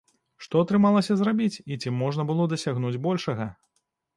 Што атрымалася зрабіць і ці можна было дасягнуць большага?